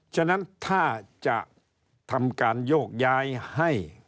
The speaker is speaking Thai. ฉะนั้นถ้าจะทำการโยกย้ายให้